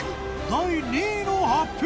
第２位の発表